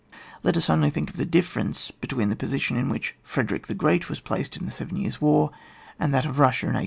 Let us only think of the difference between the position in which Frederick the Ghreat was placed in t;he Seven Years' War, and that of Eussia in 1812.